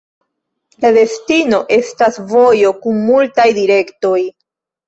La destino estas vojo kun multaj direktoj.